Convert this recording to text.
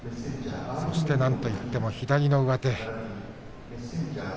そして、なんといっても左の上手。